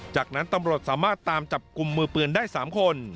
จากนั้นตำรวจสามารถตามจับกลุ่มมือปืนได้๓คน